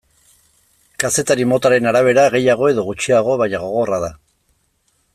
Kazetari motaren arabera gehiago edo gutxiago, baina, gogorra da.